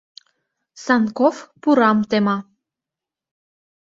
— Санков пурам тема.